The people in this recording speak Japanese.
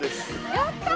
やったー！